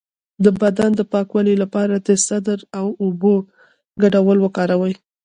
د بدن د پاکوالي لپاره د سدر او اوبو ګډول وکاروئ